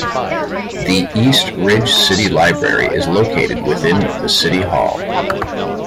The East Ridge City Library is located within the City Hall.